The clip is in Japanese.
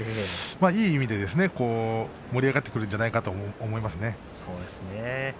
いい意味で盛り上がってくるんじゃないかと思いますね。